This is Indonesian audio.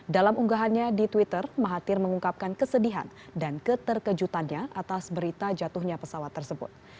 dalam unggahannya di twitter mahathir mengungkapkan kesedihan dan keterkejutannya atas berita jatuhnya pesawat tersebut